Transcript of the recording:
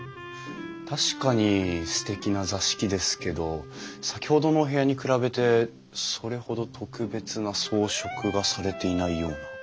確かにすてきな座敷ですけど先ほどのお部屋に比べてそれほど特別な装飾がされていないような。